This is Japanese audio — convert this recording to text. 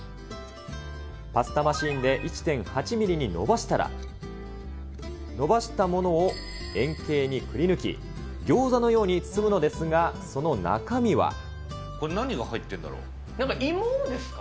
パスタマシンで１．８ミリに延ばしたら、延ばしたものを円形にくりぬき、ギョーザのように包むのですが、これ、なんか、芋ですか？